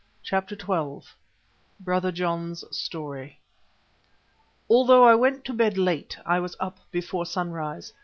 CHAPTER XII BROTHER JOHN'S STORY Although I went to bed late I was up before sunrise.